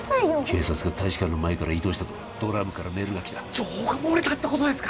警察が大使館の前から移動したとドラムからメールがきた情報が漏れたってことですか？